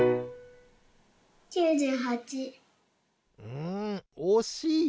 うんおしい！